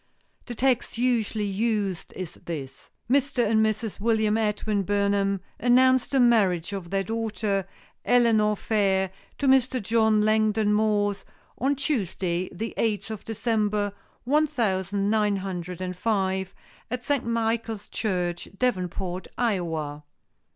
The text usually used is this: "Mr. and Mrs. William Edwin Burnham announce the marriage of their daughter, Eleanor Fair, to Mr. John Langdon Morse, on Tuesday, the eighth of December, one thousand nine hundred and five, at St. Michael's Church, Davenport, Iowa."